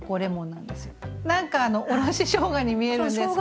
何かあのおろししょうがに見えるんですけど。